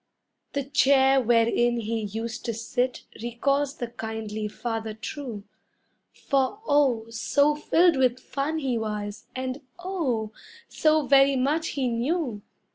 The chair wherein he used to sit recalls the kindly father true, For, oh, so filled with fun he was, and, oh, so very much he knew!